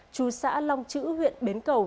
tru xã long chữ huyện bến cầu